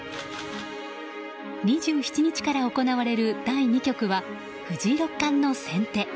２７日から行われる第２局は藤井六冠の先手。